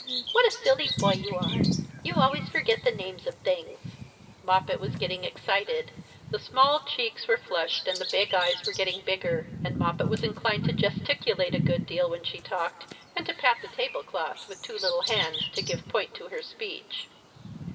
" What a silly boy you are ! You always forget the names of things." Moppet was getting excited. The small cheeks were flushed and the big eyes were getting bigger, and Moppet was inclined to gesticulate a good deal when she talked, and to pat the tablecloth with two little hands to give point to her speech.